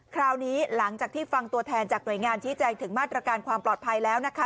คราวนี้หลังจากที่ฟังตัวแทนจากหน่วยงานชี้แจงถึงมาตรการความปลอดภัยแล้วนะคะ